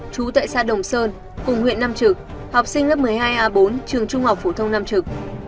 chú tại xã đồng sơn cùng huyện nam trực học sinh lớp một mươi hai a bốn trường trung học phổ thông nam trực